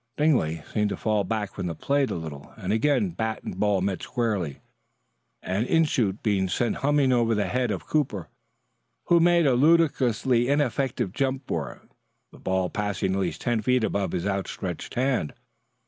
Dingley seemed to fall back from the plate a little, and again bat and ball met squarely, an inshoot being sent humming over the head of Cooper, who made a ludicrously ineffective jump for it, the ball passing at least ten feet above his outstretched hand.